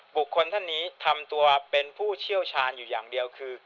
ท่านนี้ทำตัวเป็นผู้เชี่ยวชาญอยู่อย่างเดียวคือ